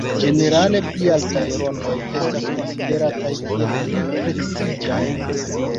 Ĝenerale pli altaj rondoj estas konsiderataj kiel pli prestiĝaj.